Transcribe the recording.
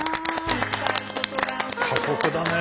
過酷だね。